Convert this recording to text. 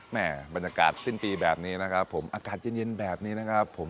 บรรยากาศสิ้นปีแบบนี้นะครับผมอากาศเย็นแบบนี้นะครับผม